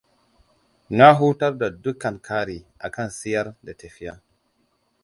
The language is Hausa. Na hutar da dukkan kari akan siyar da tafiya.